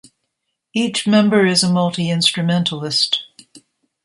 Each member is a multi-instrumentalist.